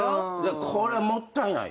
これはもったいない。